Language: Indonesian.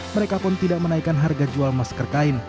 mereka pun tidak menaikkan harga jual masker kain